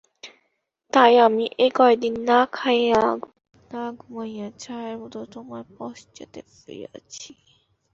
তাই আমি এ কয়দিন না খাইয়া না ঘুমাইয়া ছায়ার মতো তোমার পশ্চাতে ফিরিয়াছি।